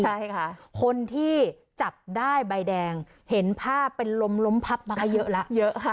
ใช่ค่ะคนที่จับได้ใบแดงเห็นภาพเป็นลมล้มพับมาก็เยอะแล้วเยอะค่ะ